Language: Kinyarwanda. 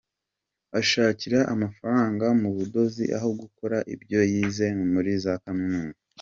Ashakira amafaranga mu budozi aho gukora ibyo yize muri za kaminuza